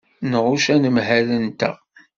Nɣucc anemhal-nteɣ.